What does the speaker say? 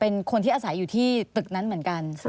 เป็นคนที่อาศัยอยู่ที่ตึกนั้นเหมือนกัน